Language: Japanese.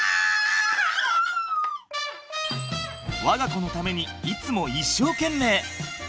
我が子のためにいつも一生懸命。